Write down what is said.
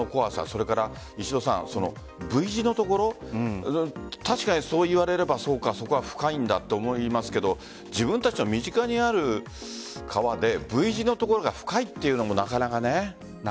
それからＶ字のところ確かに、そう言われればそこは深いんだと思いますけど自分たちの身近にある川でＶ字の所が深いというのもなかなかね。